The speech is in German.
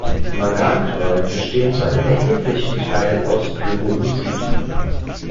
Manganknollen bestehen zu einem erheblichen Teil aus Pyrolusit.